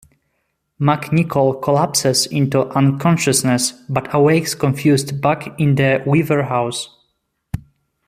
MacNichol collapses into unconsciousness, but awakes confused back in the Weaver house.